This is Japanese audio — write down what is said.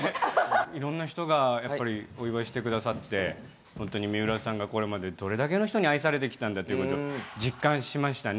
いろんな人がお祝いしてくださって、本当に水卜さんがこれまで、どれだけの人に愛されてきたんだということを実感しましたね。